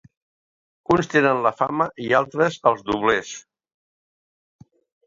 Uns tenen la fama i altres els doblers.